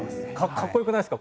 かっこよくないですか？